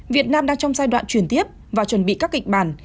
việt nam đang trong giai đoạn chuyển tiếp và chuẩn bị các kịch bản